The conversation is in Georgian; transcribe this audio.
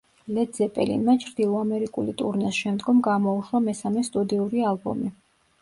ლედ ზეპელინმა ჩრდილო ამერიკული ტურნეს შემდგომ გამოუშვა მესამე სტუდიური ალბომი.